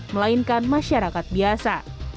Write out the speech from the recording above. melainkan masyarakat biasa